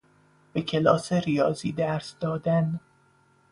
به کلاس ریاضی درس دادن